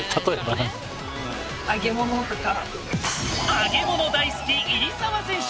揚げ物大好き入澤選手。